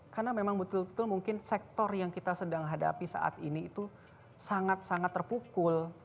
karena memang betul betul mungkin sektor yang kita sedang hadapi saat ini itu sangat sangat terpukul